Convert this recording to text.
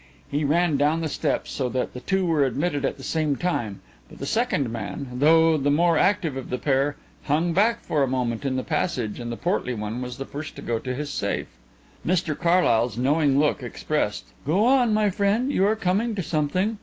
He ran down the steps, so that the two were admitted at the same time, but the second man, though the more active of the pair, hung back for a moment in the passage and the portly one was the first to go to his safe." Mr Carlyle's knowing look expressed: "Go on, my friend; you are coming to something."